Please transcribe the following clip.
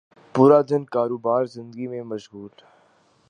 پورا دن کاروبار زندگی میں مشغول